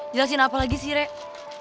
jelasin apa lagi sih rek